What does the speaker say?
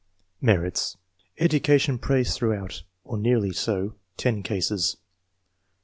MERITS : EDUCATION PRAISED THROUGHOUT, OR NEARLY SO — ^TEN CASES.